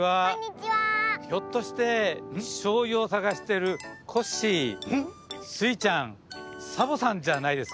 ひょっとしてしょうゆをさがしてるコッシースイちゃんサボさんじゃないですか？